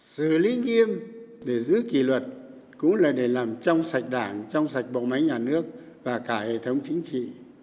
xử lý nghiêm để giữ kỳ luật cũng là để làm trong sạch đảng trong sạch bộ máy nhà nước và cả hệ thống chính trị